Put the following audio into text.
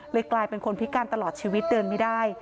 กลายเป็นคนพิการตลอดชีวิตเดินไม่ได้